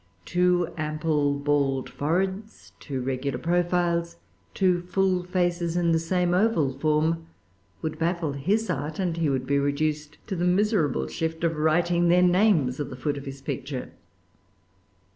Two ample bald foreheads, two regular profiles, two full faces of the same oval form, would baffle his art; and he would be reduced to the miserable shift of writing their names at the foot of his picture.